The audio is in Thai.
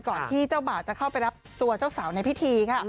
ที่เจ้าบ่าวจะเข้าไปรับตัวเจ้าสาวในพิธีค่ะ